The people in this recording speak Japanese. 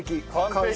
完成！